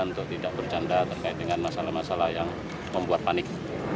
untuk tidak bercanda terkait dengan masalah masalah yang membuat panik